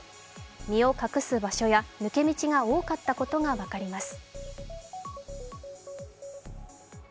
身を隠す場所や抜け道が多かったことが分かります。